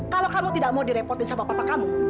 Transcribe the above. kalau kamu tidak mau direpotin sama papa kamu